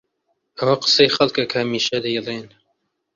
ئەوە قسەی خەڵکە کە هەمیشە دەیڵێن.